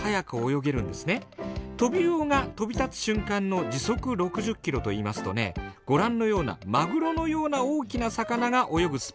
トビウオが飛び立つ瞬間の時速６０ｋｍといいますとねご覧のようなマグロのような大きな魚が泳ぐスピードなんですよ。